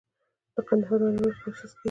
د قندهار انار پروسس کیږي؟